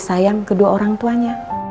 aku sama tuhan